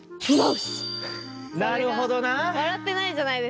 なるほどな！